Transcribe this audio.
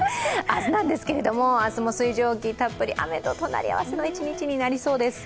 明日なんですけど、明日も水蒸気たっぷり、雨と隣り合わせの１日になりそうです。